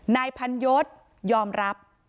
นายพันยศยอมรับ